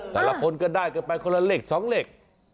แต่ละคนก็ได้กันไปคนละเลข๒เลข